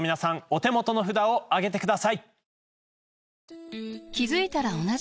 お手元の札を挙げてください。